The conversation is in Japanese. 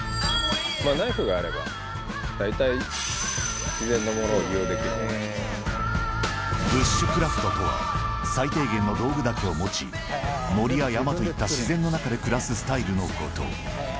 ナイフがあれば、大体、自然のもブッシュクラフトとは、最低限の道具だけを持ち、森や山といった自然の中で暮らすスタイルのこと。